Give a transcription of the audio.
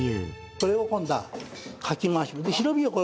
これを今度はかき回します。